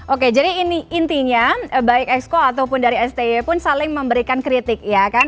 oke jadi intinya baik exco ataupun dari sti pun saling memberikan kritik ya kan